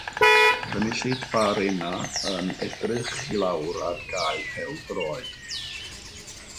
Cynulleidfa arena yn edrych i lawr ar gae pêl-droed